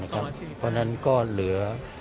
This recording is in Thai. เพราะฉะนั้นก็เหลือ